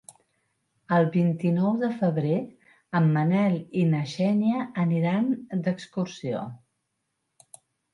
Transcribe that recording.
El vint-i-nou de febrer en Manel i na Xènia aniran d'excursió.